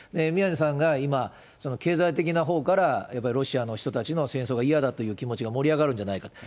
宮根さんが今、経済的なほうからやっぱりロシアの人たちの戦争が嫌だという気持ちが盛り上がるんじゃないか。